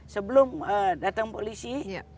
sebelum datang polisi